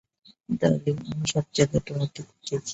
Darling, আমি সবজায়গায় তোমাকে খুঁজেছি।